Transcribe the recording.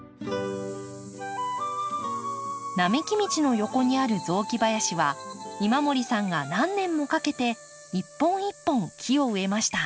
並木道の横にある雑木林は今森さんが何年もかけて一本一本木を植えました。